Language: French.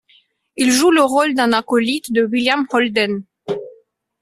Il joue le rôle d'un acolyte de William Holden.